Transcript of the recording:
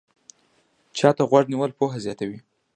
چا ته غوږ نیول پوهه زیاتوي